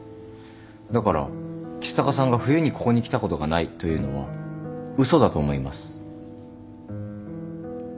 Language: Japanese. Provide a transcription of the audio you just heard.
だから橘高さんが冬にここに来たことがないというのは嘘だと思います。